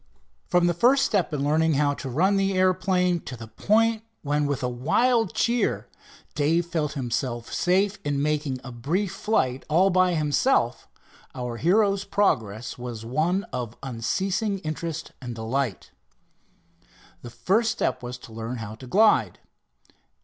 From the first step in learning how to run the airplane, to the point when with a wild cheer Dave felt himself safe in making a brief flight all by himself, our hero's progress was one of unceasing interest and delight. The first step was to learn how to glide.